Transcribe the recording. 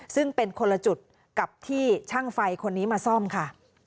ซึ่งเป็นคนละจุดกับที่ช่างไฟคนนี้มาซ่อมค่ะ